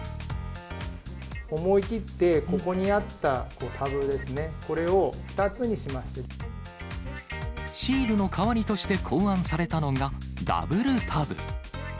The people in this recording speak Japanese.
思いきって、ここにあったタシールの代わりとして考案されたのが、ダブルタブ。